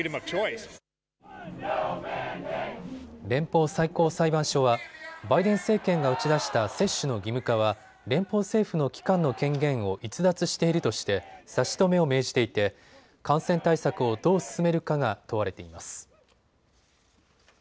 連邦最高裁判所はバイデン政権が打ち出した接種の義務化は連邦政府の機関の権限を逸脱しているとして差し止めを命じていて感染対策をどう進めるかが問われています。